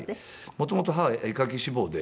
元々母は絵描き志望で。